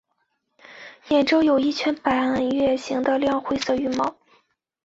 眼周有一圈半月形的亮灰色羽毛。